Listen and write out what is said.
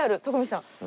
徳光さん。